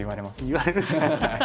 言われるじゃない？